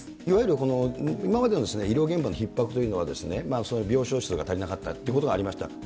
いわゆる今までの医療現場のひっ迫というのは、病床数が足りなかったということがありました。